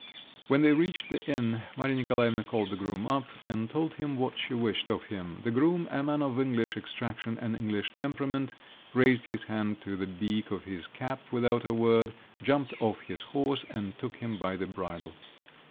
When they reached the inn, Maria Nikolaevna called the groom up and told him what she wished of him. The groom, a man of English extraction and English temperament, raised his hand to the beak of his cap without a word, jumped off his horse, and took him by the bridle.